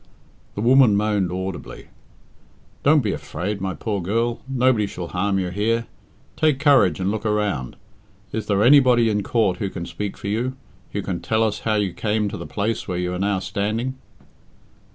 The woman moaned audibly. "Don't be afraid, my poor girl. Nobody shall harm you here. Take courage and look around. Is there anybody in court who can speak for you who can tell us how you came to the place where you are now standing?"